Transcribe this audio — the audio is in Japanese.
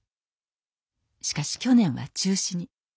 しかし去年は中止に。